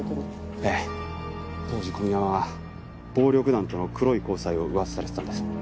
ええ当時小宮山は暴力団との黒い交際をうわさされていたんです。